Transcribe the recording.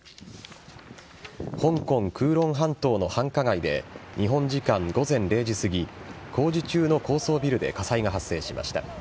香港・九龍半島の繁華街で日本時間午前０時すぎ工事中の高層ビルで火災が発生しました。